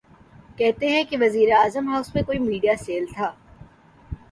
کہتے ہیں کہ وزیراعظم ہاؤس میں کوئی میڈیا سیل تھا۔